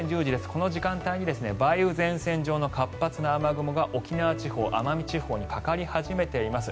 この時間帯に梅雨前線上の活発な雨雲が沖縄地方、奄美地方にかかり始めています。